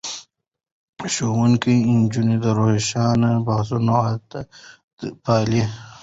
ښوونځی نجونې د روښانه بحثونو عادت پالي.